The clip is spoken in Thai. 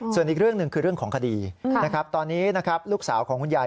ส่วนอีกเรื่องนึงคือเรื่องของคดีตอนนี้รูปสาวของคุณยาย